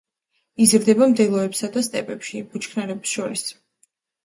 იზრდება მდელოებსა და სტეპებში, ბუჩქნარებს შორის.